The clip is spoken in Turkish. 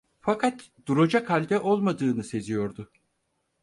Fakat duracak halde olmadığını seziyordu.